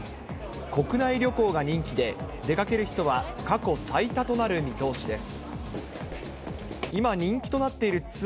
国内旅行が人気で、出かける人は過去最多となる見通しです。